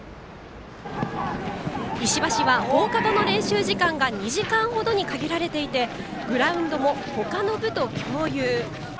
石橋は放課後の練習時間が２時間ほどに限られていてグラウンドも、ほかの部と共有。